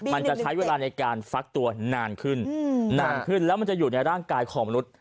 มันจะใช้เวลาในการฟักตัวนานขึ้นนานขึ้นแล้วมันจะอยู่ในร่างกายของมนุษย์